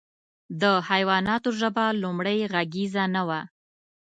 د حیواناتو ژبه لومړۍ غږیزه نه وه.